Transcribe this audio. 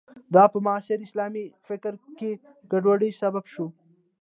دا په معاصر اسلامي فکر کې ګډوډۍ سبب شو.